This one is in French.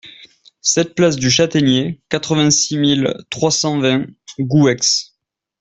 sept place du Chataigner, quatre-vingt-six mille trois cent vingt Gouex